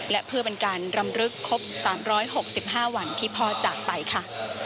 และเพื่อเป็นการรำลึกครบ๓๖๕วันที่พ่อจากไปค่ะ